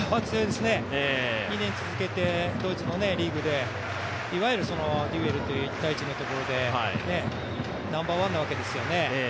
２年続けてドイツのリーグで、いわゆるデュエルという１対１のところでナンバーワンなわけですよね。